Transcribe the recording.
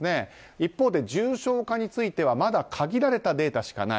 一方で、重症化についてはまだ限られたデータしかない。